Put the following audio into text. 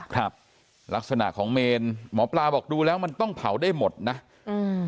ครับลักษณะของเมนหมอปลาบอกดูแล้วมันต้องเผาได้หมดนะอืม